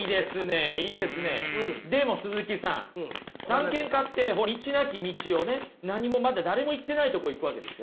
でも鈴木さん探検家って道なき道をね何もまだ誰も行ってないとこ行くわけですよ。